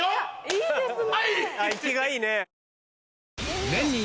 ・いいですね。